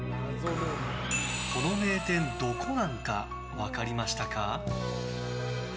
この名店ドコナンか分かりましたか？